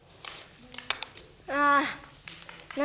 ああ！